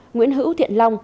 nguyễn hữu thiện long